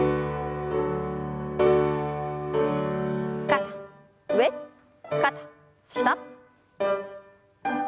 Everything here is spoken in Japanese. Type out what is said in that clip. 肩上肩下。